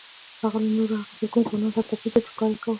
هغه له نورو هغو زرګونه ځوانانو سره توپير درلود چې کار يې کاوه.